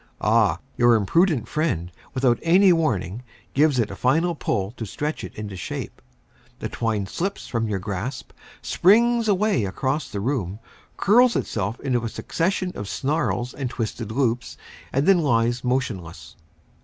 Ah! your imprudent friend, without any warning, gives it a final pull to stretch it into shape. The twine slips from your grasp, springs away across the room, curls itself into a succession of snarls and twisted loops, and then lies motionless.